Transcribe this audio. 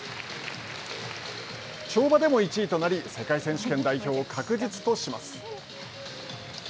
跳馬でも１位となり世界選手権代表を確実とします。